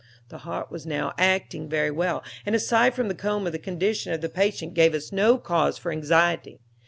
The heart was now acting very well, and aside from the coma the condition of the patient gave us no cause for anxiety.